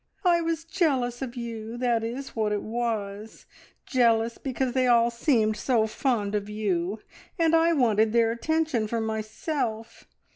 "I was jealous of you that is what it was jealous because they all seemed so fond of you, and I wanted their attention for myself.